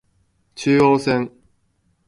中央線